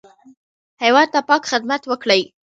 هېواد ته پاک خدمت وکړئ